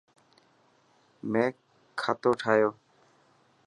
ميڪ کاتو ٺائو.